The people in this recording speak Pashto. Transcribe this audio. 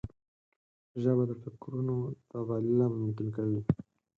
ژبه د فکرونو تبادله ممکن کوي